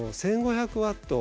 １，５００ワット。